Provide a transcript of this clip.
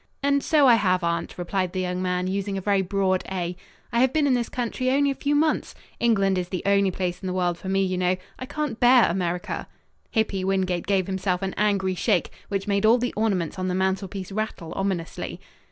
"And so I have, aunt," replied the young man, using a very broad "a." "I have been in this country only a few months. England is the only place in the world for me, you know. I can't bear America." Hippy Wingate gave himself an angry shake, which made all the ornaments on the mantelpiece rattle ominously.